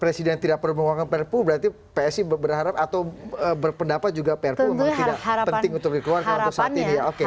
presiden tidak perlu mengeluarkan perpu berarti psi berharap atau berpendapat juga prpu memang tidak penting untuk dikeluarkan untuk saat ini ya